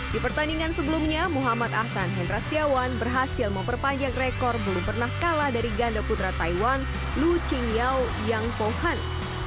di pertandingan sebelumnya muhammad ahsan hendra setiawan berhasil memperpanjang rekor belum pernah kalah dari ganda putra taiwan lu chingyao yang pohan